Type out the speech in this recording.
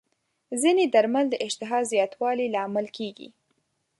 ځینې درمل د اشتها زیاتوالي لامل کېږي.